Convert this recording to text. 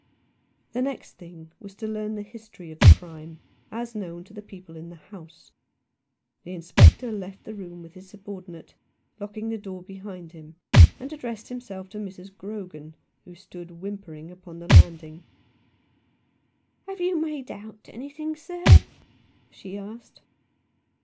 The next thing was to learn the history of the crime, as known to the people in the house. The Inspector left the room with his subordinate, lock ing the door behind him, and addressed himself to Mrs. Grogan, who stood whimpering upon the Janding. "Have you made out anything, sir?" she asked.